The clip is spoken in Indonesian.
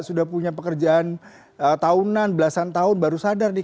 sudah punya pekerjaan tahunan belasan tahun baru sadar nih